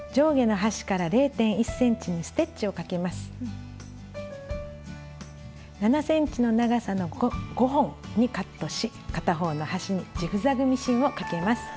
７ｃｍの長さの５本にカットし片方の端にジグザグミシンをかけます。